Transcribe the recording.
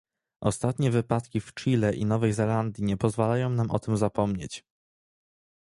Ostatnie wypadki w Chile i Nowej Zelandii nie pozwalają nam o tym zapomnieć